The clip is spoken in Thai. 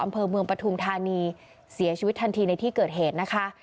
อำเภอเมืองปฐุมธานีเสียชีวิตทันทีในที่เกิดเหตุนะคะ